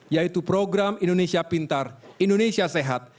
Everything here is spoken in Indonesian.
yaitu program indonesia pintar indonesia sehat